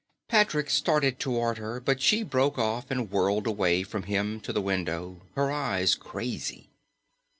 Patrick started toward her, but she broke off and whirled away from him to the window, her eyes crazy.